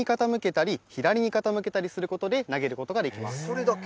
それだけ？